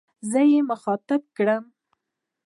زه يې مخاطب کړم.